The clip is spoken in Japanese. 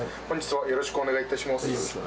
よろしくお願いします。